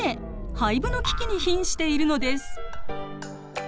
廃部の危機にひんしているのです。